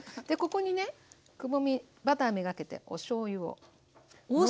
でここにねくぼみバター目がけておしょうゆを。